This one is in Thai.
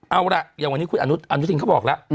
เอาล่ะอย่างวันนี้คุณอนุทินเขาบอกแล้ว